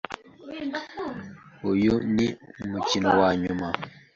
Uyu ni umukino wanyuma.